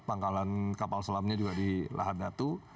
pangkalan kapal selamnya juga di lahan datu